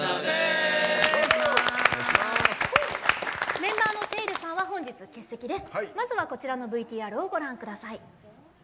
メンバーのテイルさんは本日、欠席です。